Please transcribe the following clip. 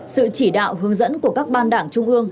sự chỉ đạo hướng dẫn của các ban đảng trung ương